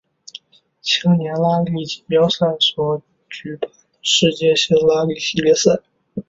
世界青年拉力锦标赛所举办的世界性拉力系列赛。